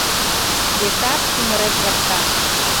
Векат, ӱмырем эрта.